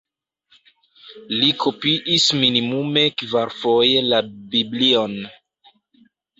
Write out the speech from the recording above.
Li kopiis minimume kvarfoje la Biblion.